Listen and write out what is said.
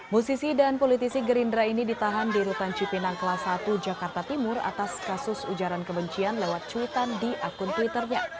musisi dan politisi gerindra ini ditahan di rutan cipinang kelas satu jakarta timur atas kasus ujaran kebencian lewat cuitan di akun twitternya